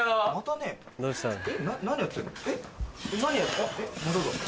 何やってんの？